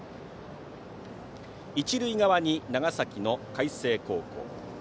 一塁側に長崎の海星高校。